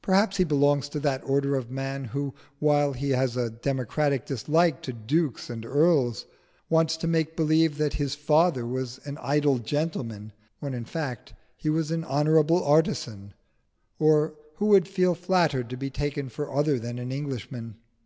Perhaps he belongs to that order of man who, while he has a democratic dislike to dukes and earls, wants to make believe that his father was an idle gentleman, when in fact he was an honourable artisan, or who would feel flattered to be taken for other than an Englishman.